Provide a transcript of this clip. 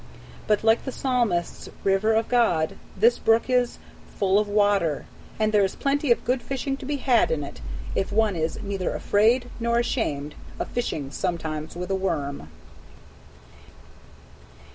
But, like the Psalmist's "river of God," this brook is "full of water," and there is plenty of good fishing to be had in it if one is neither afraid nor ashamed of fishing sometimes with a worm.